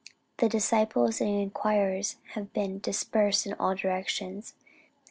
The disciples and inquirers have been dispersed in all directions.